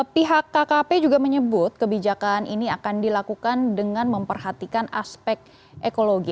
pihak kkp juga menyebut kebijakan ini akan dilakukan dengan memperhatikan aspek ekologi